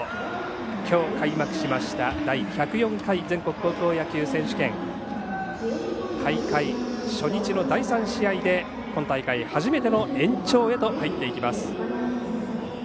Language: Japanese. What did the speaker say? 今日開幕しました第１０４回全国高校野球選手権大会初日の第３試合で今大会初めての延長へと入っていきます。